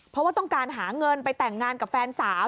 เพราะว่าต้องการหาเงินไปแต่งงานกับแฟนสาว